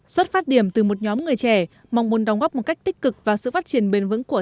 xuất phát điểm từ một nhóm người trẻ mong muốn đóng góp một cách tích cực và sự phát triển bền vững của